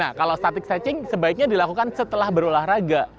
nah kalau static setting sebaiknya dilakukan setelah berolahraga